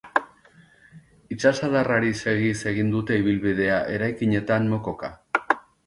Itsasadarrari segiz egin dute ibilbidea, eraikinetan mokoka.